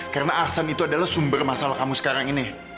karena aksen itu adalah sumber masalah kamu sekarang ini